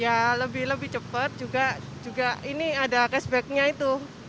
ya lebih lebih cepat juga ini ada cashbacknya itu